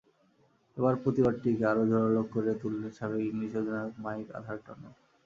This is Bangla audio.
এবার প্রতিবাদটিকে আরও জোরাল করে তুললেন সাবেক ইংলিশ অধিনায়ক মাইক আথারটনও।